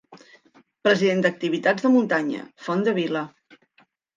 >>President d´activitats de muntanya: Font de Vila.